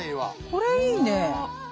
これいいね。